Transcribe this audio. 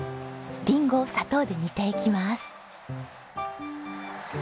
りんごを砂糖で煮ていきます。